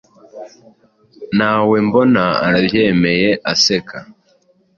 na we mbona arabyemeye aseka